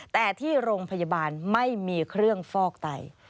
แต่ที่โรงพยาบาลไม่มีเครื่องฟอกไต